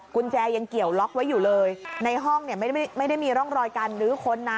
กุญแจยังเกี่ยวล็อกไว้อยู่เลยในห้องเนี่ยไม่ได้มีร่องรอยการลื้อค้นนะ